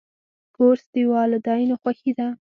کورس د والدینو خوښي ده.